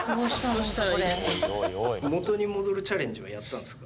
元に戻るチャレンジはやったんですか？